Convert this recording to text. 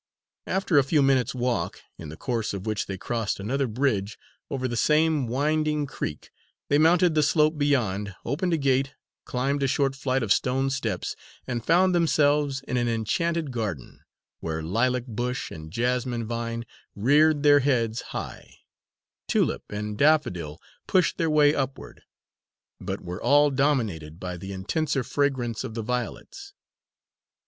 After a few minutes' walk, in the course of which they crossed another bridge over the same winding creek, they mounted the slope beyond, opened a gate, climbed a short flight of stone steps and found themselves in an enchanted garden, where lilac bush and jessamine vine reared their heads high, tulip and daffodil pushed their way upward, but were all dominated by the intenser fragrance of the violets.